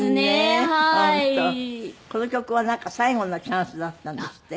この曲はなんか最後のチャンスだったんですって？